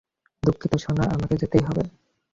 দুঃখিত সোনা, আমাকে যেতেই হবে!